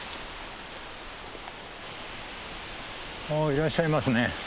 いらっしゃいますね。